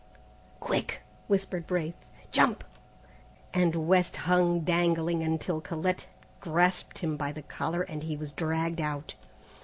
"Quick!" whispered Braith. "Jump!" and West hung dangling until Colette grasped him by the collar, and he was dragged out.